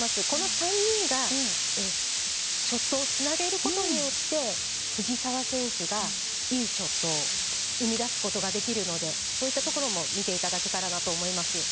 この３人がショットをつなげることによって藤澤選手がいいショットを生み出すことができるのでそういったところも見ていただければと思います。